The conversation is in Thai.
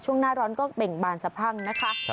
ช่วงนาร้อนก็เป็นอีกบานสระพั่งนะคะ